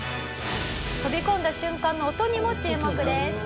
飛び込んだ瞬間の音にも注目です。